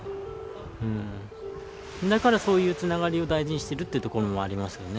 だからそういうつながりを大事にしてるというところもありますね。